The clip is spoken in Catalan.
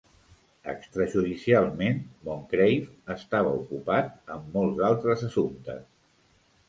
Extrajudicialment, Moncreiff estava ocupat amb molts altres assumptes.